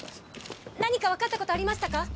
何か分かったことありましたか？